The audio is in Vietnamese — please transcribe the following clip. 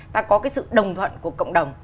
ta có cái sự đồng thuận của cộng đồng